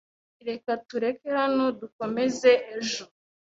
Reka tureke hano dukomeze ejo.